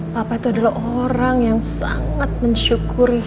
papa itu adalah orang yang sangat mensyukuri